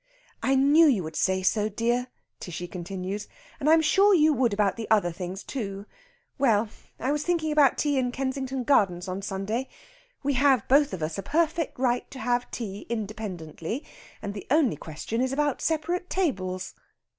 "I knew you would say so, dear," Tishy continues. "And I'm sure you would about the other things too ... well, I was thinking about tea in Kensington Gardens on Sunday. We have both of us a perfect right to have tea independently, and the only question is about separate tables."